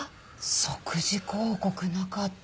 即時抗告なかった。